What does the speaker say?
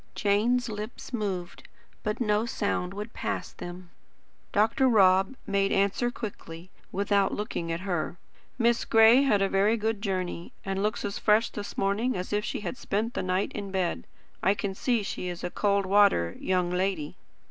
Jane's lips moved, but no sound would pass them. Dr. Rob made answer quickly, without looking at her: "Miss Gray had a very good journey, and looks as fresh this morning as if she had spent the night in bed. I can see she is a cold water young lady."